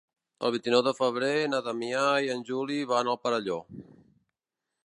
El vint-i-nou de febrer na Damià i en Juli van al Perelló.